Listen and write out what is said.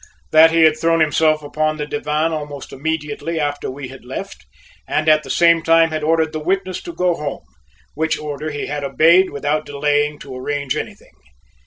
That he had thrown himself upon the divan almost immediately after we had left, and at the same time had ordered the witness to go home, which order he had obeyed without delaying to arrange anything.